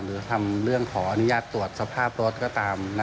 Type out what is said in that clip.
หรือทำเรื่องขออนุญาตตรวจสภาพรถก็ตาม